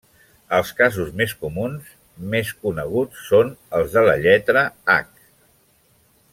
Els casos més comuns, més coneguts són els de la lletra 'h'.